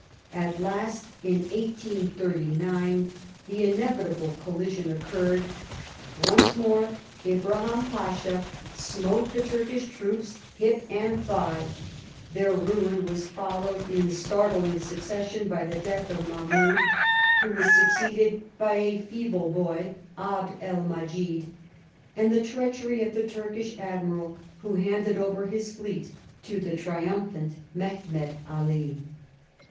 At last, in 1839, the inevitable collision occurred; once more Ibrahim Pasha smote the Turkish troops hip and thigh ; their ruin was followed, in startling succession^ by the death of Mahmoud, who was succeeded by a feeble boy, Abd el Medjid, and the treachery of the Turkish ad miral, who handed over his fleet to the triumphant Mehemet Ali.